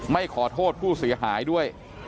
ไม่ขอโทษผู้เสียหายด้วย